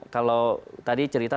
kalau tadi cerita